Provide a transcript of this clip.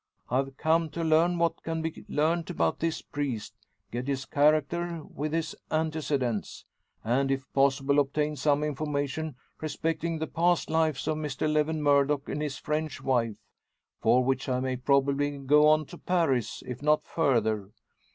I've come to learn what can be learnt about this priest; get his character, with his antecedents. And, if possible, obtain some information respecting the past lives of Mr Lewin Murdock and his French wife; for which I may probably go on to Paris, if not further.